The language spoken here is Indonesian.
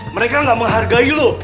mereka gak menghargai lo